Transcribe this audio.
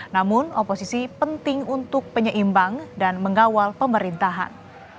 namun oposisi penting untuk penyeimbang dan mengawal pemerintahan